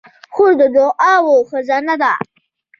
خور د دعاوو خزانه ده.